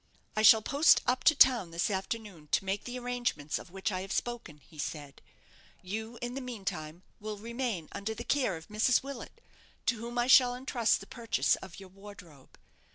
"I shall post up to town this afternoon to make the arrangements of which I have spoken," he said; "you, in the meantime, will remain under the care of Mrs. Willet, to whom I shall entrust the purchase of your wardrobe.